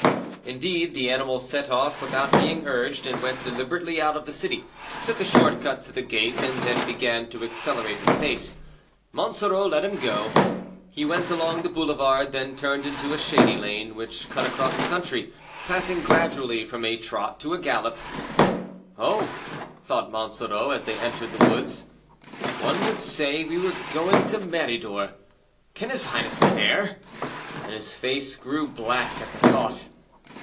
Indeed, the animal set off without being urged, and went deliberately out of the city, took a short cut to the gate, and then began to accelerate his pace: Monsoreau let him go. He went along the boulevard, then turned into a shady lane, which cut across the country, passing gradually from a trot to a gallop. "Oh!" thought Monsoreau, as they entered the woods, "one would say we were going to Méridor. Can his highness be there?" and his face grew black at the thought.